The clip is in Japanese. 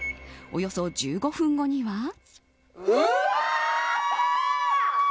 およそ１５分後には。